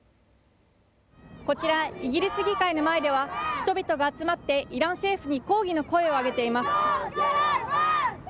こちらイギリス議会の前では人々が集まってイラン政府に抗議の声を上げています。